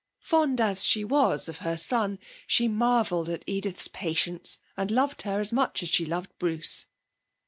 Fond as she was of her son, she marvelled at Edith's patience and loved her as much as she loved Bruce.